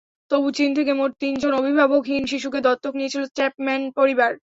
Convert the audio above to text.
তবু চীন থেকে মোট তিনজন অভিভাবকহীন শিশুকে দত্তক নিয়েছিল চ্যাপম্যান পরিবার।